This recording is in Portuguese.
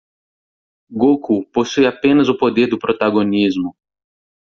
Goku possui apenas o poder do protagonismo.